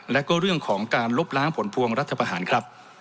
และก็เรื่องของการลบล้างผลพวงรัฐประหารครับ